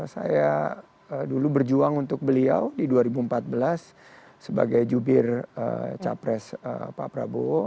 saya dulu berjuang untuk beliau di dua ribu empat belas sebagai jubir capres pak prabowo